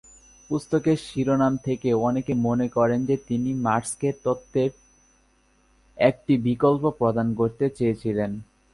পুস্তকের শিরোনাম থেকে অনেকে মনে করেন যে তিনি মার্ক্সের তত্ত্বের একটি বিকল্প প্রদান করতে চেয়েছিলেন।